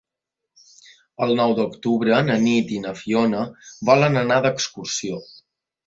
El nou d'octubre na Nit i na Fiona volen anar d'excursió.